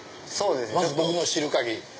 まず僕の知る限り。